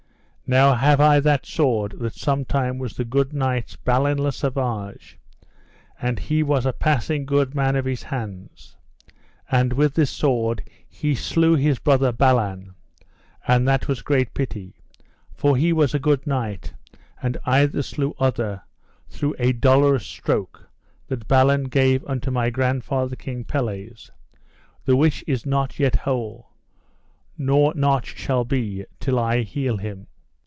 Now have I that sword that sometime was the good knight's, Balin le Savage, and he was a passing good man of his hands; and with this sword he slew his brother Balan, and that was great pity, for he was a good knight, and either slew other through a dolorous stroke that Balin gave unto my grandfather King Pelles, the which is not yet whole, nor not shall be till I heal him.